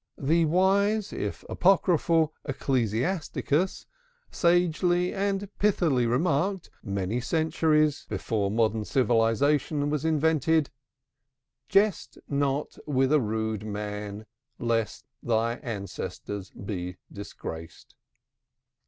The wise, if apocryphal, Ecclesiasticus, sagely and pithily remarked, many centuries before modern civilization was invented: Jest not with a rude man lest thy ancestors be disgraced.